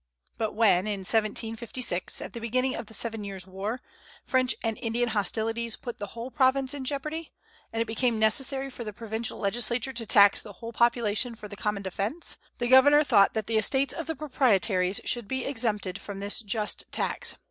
But when, in 1756, at the beginning of the Seven Years' War, French and Indian hostilities put the whole province in jeopardy, and it became necessary for the Provincial Legislature to tax the whole population for the common defence, the governor thought that the estates of the Proprietaries should be exempted from this just tax.